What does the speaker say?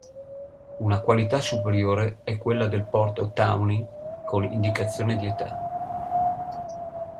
Una qualità superiore è quella del porto Tawny con indicazione di età.